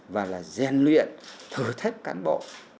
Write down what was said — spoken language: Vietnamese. và gian luyện thử thách cán bộ